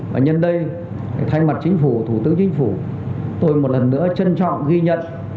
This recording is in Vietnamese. và nhân đây thay mặt chính phủ thủ tướng chính phủ tôi một lần nữa trân trọng ghi nhận